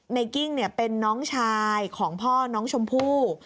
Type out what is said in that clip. นายกิ้งเนี่ยเป็นน้องชายของพ่อน้องชมพู่